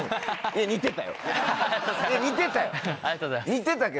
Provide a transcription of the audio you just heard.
似てたよ！